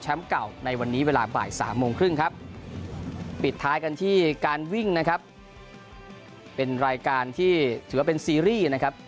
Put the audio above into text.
เก่าในวันนี้เวลาบ่ายสามโมงครึ่งครับปิดท้ายกันที่การวิ่งนะครับเป็นรายการที่ถือว่าเป็นซีรีส์นะครับ